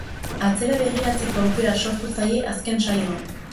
Atzera begiratzeko aukera sortu zaie azken saioan.